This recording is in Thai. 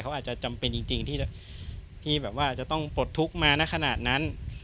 เขาอาจจะจำเป็นจริงที่แบบว่าจะต้องปลดทุกข์มานะขนาดนั้น